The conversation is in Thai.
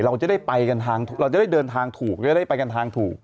เราจะได้ไปกันทางเราจะได้เดินทางถูกจะได้ไปกันทางถูก